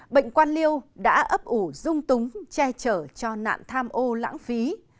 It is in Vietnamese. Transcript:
bệnh quan liêu đã ấp ủ dung túng che chở cho nạn tham ô lãng phí